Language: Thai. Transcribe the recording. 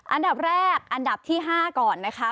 อันดับแรกอันดับที่๕ก่อนนะคะ